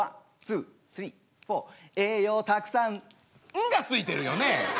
「ん」がついてるよね！？